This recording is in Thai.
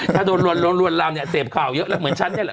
ถ้าโดนลวนลามเนี่ยเสพข่าวเยอะแล้วเหมือนฉันเนี่ยแหละ